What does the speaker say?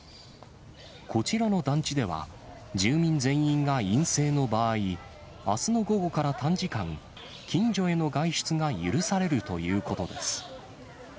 こちらの団地では、住民全員が陰性の場合、あすの午後から短時間、近所への外出が許されるということです。